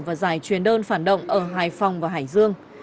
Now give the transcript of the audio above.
và giải truyền đơn phản động ở hải phòng và hải dương